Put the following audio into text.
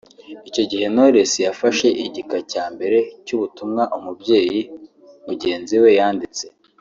Icyo gihe Knowless yafashe igika cya mbere cy’ubutumwa umubyeyi mugenzi we yanditse